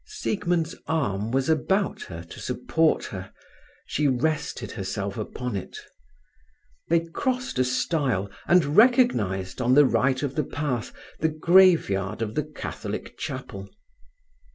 Siegmund's arm was about her to support her; she rested herself upon it. They crossed a stile and recognized, on the right of the path, the graveyard of the Catholic chapel.